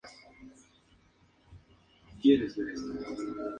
Domingo", que no había sido publicado.